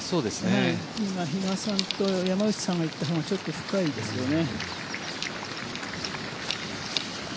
今、比嘉さんと山内さんがいった方が深いですよね。